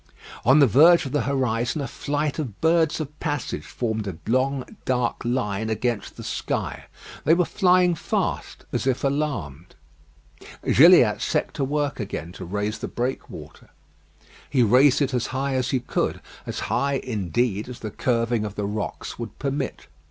On the verge of the horizon a flight of birds of passage formed a long dark line against the sky. They were flying fast as if alarmed. Gilliatt set to work again to raise the breakwater. He raised it as high as he could; as high, indeed, as the curving of the rocks would permit.